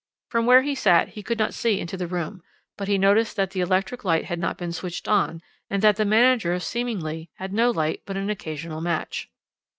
"From where he sat he could not see into the room, but he noticed that the electric light had not been switched on, and that the manager seemingly had no light but an occasional match.